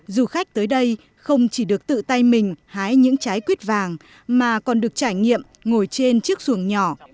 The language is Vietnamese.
du khách tới đây không chỉ được tự tay mình hái những trái quýt vàng mà còn được trải nghiệm ngồi trên chiếc xuồng nhỏ